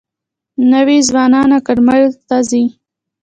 نوي ځوانان اکاډمیو ته ځي.